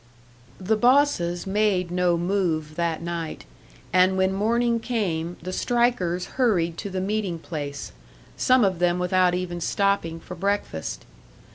The bosses made no move that night; and when morning came, the strikers hurried to the meeting place, some of them without even stopping for breakfast.